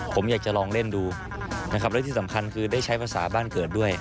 ผมอยากจะลองเล่นดูนะครับและที่สำคัญคือได้ใช้ภาษาบ้านเกิดด้วย